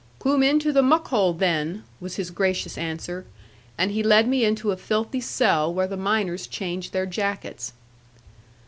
'Coom into the muck hole, then,' was his gracious answer; and he led me into a filthy cell, where the miners changed their jackets.